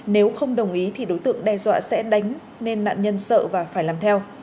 nếu không đồng ý thì đối tượng đe dọa sẽ đánh nên nạn nhân sợ và phải làm theo